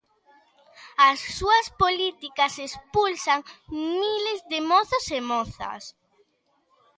As súas políticas expulsan miles de mozos e de mozas.